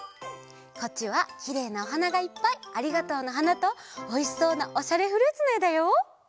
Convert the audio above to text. こっちはきれいなおはながいっぱい「ありがとうの花」とおいしそうな「おしゃれフルーツ」のえだよ！